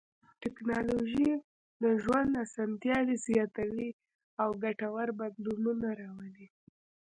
ټکنالوژي د ژوند اسانتیاوې زیاتوي او ګټور بدلونونه راولي.